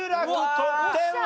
得点は？